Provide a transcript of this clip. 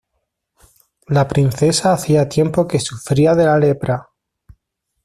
La princesa hacía tiempo que sufría de la lepra.